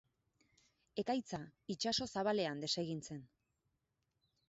Ekaitza itsaso zabalean desegin zen.